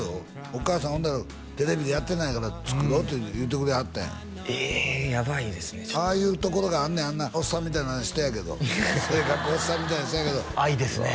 お母さんほんならテレビでやってないから作ろうって言うてくれはったんやえやばいですねああいうところがあんねんあんなおっさんみたいな人やけど性格おっさんみたいな人やけど愛ですね